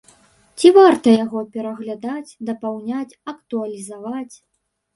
Ці варта яго пераглядаць, дапаўняць, актуалізаваць?